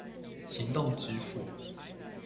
行動支付